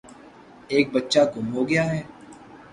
ایک بچہ گُم ہو گیا ہے۔